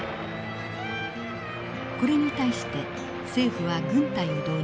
これに対して政府は軍隊を導入。